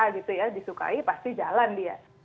kalau dia disukai pasti jalan dia